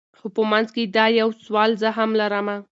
خو په منځ کي دا یو سوال زه هم لرمه